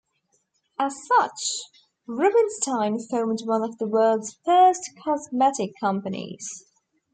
As such, Rubinstein formed one of the world's first cosmetic companies.